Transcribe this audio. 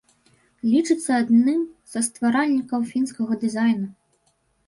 Лічыцца адным са стваральнікаў фінскага дызайну.